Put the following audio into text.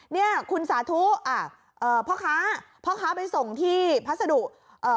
เนี่ยคุณสาธุอ่าเอ่อพ่อค้าพ่อค้าไปส่งที่พัสดุเอ่อ